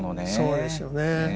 そうですよね。